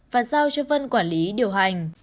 và giao cho vân quản lý điều hành